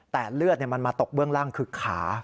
แต่เลือดมันมาตกเบื้องล่างคือขา